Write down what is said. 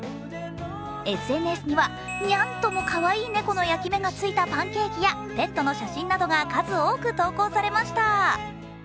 ＳＮＳには、ニャンともかわいい猫の焼き目がついたパンケーキやペットの写真などが数多く投稿されました。